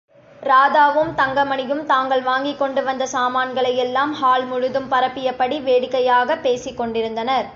ராதாவும், தங்கமணியும், தாங்கள் வாங்கிக் கொண்டு வந்த சாமான்களையெல்லாம், ஹால் முழுதும் பரப்பியபடி, வேடிக்கையாகப் பேசிக் கொண்டிருந்தனர்.